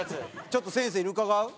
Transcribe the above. ちょっと先生に伺う？